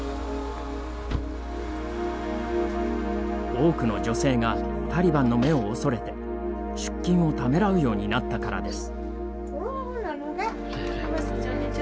多くの女性がタリバンの目を恐れて出勤をためらうようになったからです。